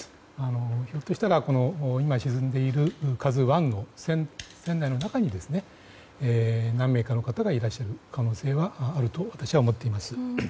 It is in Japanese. ひょっとしたら今沈んでいる「ＫＡＺＵ１」の船内の中に、何名かの方がいらっしゃる可能性があると私は思っています。